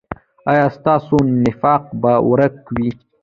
ایا ستاسو نفاق به ورک وي؟